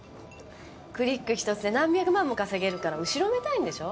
クリック１つで何百万も稼げるから後ろめたいんでしょ。